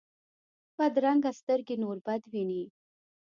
بدرنګه سترګې نور بد ویني